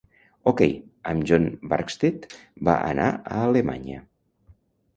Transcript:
Okey, amb John Barkstead, va anar a Alemanya.